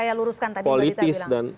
saya luruskan tadi mbak dita bilang